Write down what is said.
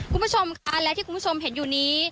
คุณผู้ชมค่ะและที่คุณผู้ชมเห็นอยู่นี้